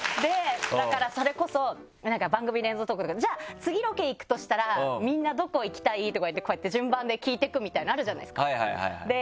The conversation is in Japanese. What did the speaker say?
だからそれこそなんか番組のエンディングトークとかで「じゃあ次ロケ行くとしたらみんなどこ行きたい？」とか言ってこうやって順番で聞いてくみたいなあるじゃないですか。